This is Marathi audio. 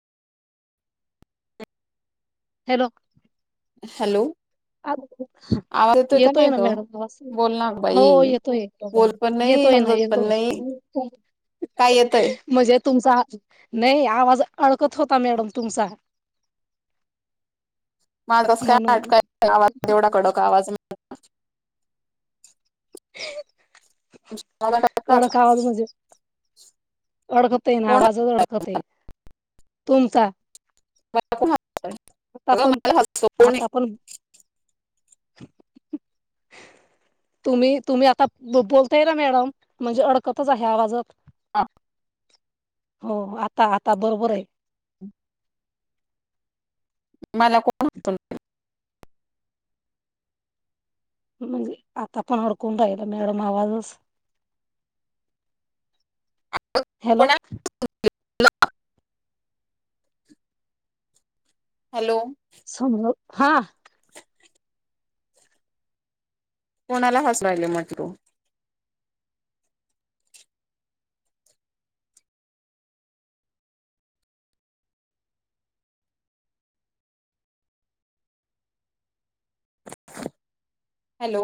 हॅलो, हॅलो, आवाज का येतोय नाही ना ग मॅडम आवाज. बोल ना बाई हो येतोय. बोल पण नाही येतोय ना समजत पण येतोय. नाही काय येतय म्हणजे तुमचा नाही आवाज अडकत होता मॅडम तुमचा. माझ कस काय म्हणून अटकाय आवाज एवढा कडक आवाज. [unintelligible] अडकतय ना, कोण आवाजच अडकतय तुमचा. [unintelligible] आता पण, मला हसतो कोण आता पण तुम्ही तुम्ही आता ब बोलताय ना मॅडम, म्हणजे अडकतच आहे आवाजात. हां. हो आता आता बरोबर आहे. मला को म्हणजे आता पण अडकून राहिला मॅडम आवाजच. हॅलो, [unintelligible] हॅलो, समज हा, कोणाला हसू राहिले म्हणते तू? हॅलो